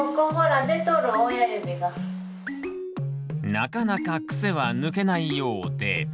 なかなか癖は抜けないようで。